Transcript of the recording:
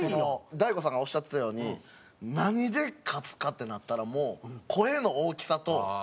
大悟さんがおっしゃってたように何で勝つかってなったらもう声の大きさと元気と真面目さ。